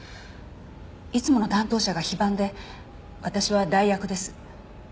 いつもの担当者が非番で私は代役です。